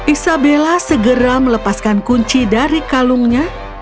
isabella segera melepaskan kunci dari kalungnya